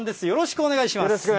よろしくお願いします。